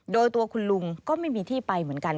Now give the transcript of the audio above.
โดยตัวคุณลุงก็ไม่มีที่ไปเหมือนกัน